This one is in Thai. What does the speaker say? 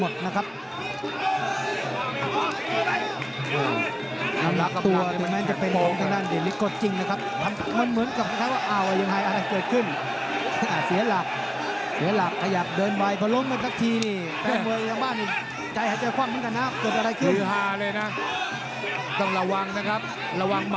ต้องระวังนะครับระวังหมันกับศอกด้วยนะครับ